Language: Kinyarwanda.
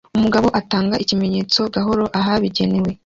Umugabo atanga ikimenyetso gahoro ahabigenewe